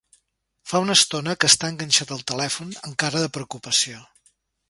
Fa una estona que està enganxat al telèfon, amb cara de preocupació.